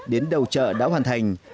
đến đầu chợ đã hoàn thành